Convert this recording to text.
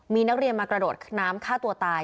มีนักเรียนมากระโดดน้ำฆ่าตัวตาย